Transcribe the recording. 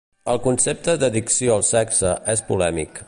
El concepte d'addicció al sexe és polèmic.